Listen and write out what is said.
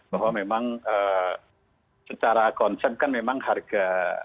bahwa memang secara konsep kan memang harga